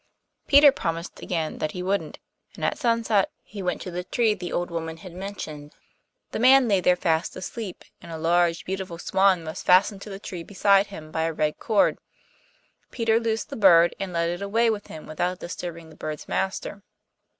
Peter promised again that he wouldn't, and at sunset he went to the tree the old woman had mentioned. The man lay there fast asleep, and a large beautiful swan was fastened to the tree beside him by a red cord. Peter loosed the bird, and led it away with him without disturbing the bird's master.